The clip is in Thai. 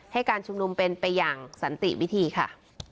ให้การชุมนุมเป็นไปอย่างสันติวิธีค่ะ